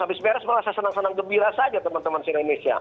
habis beres malah saya senang senang gembira saja teman teman si indonesia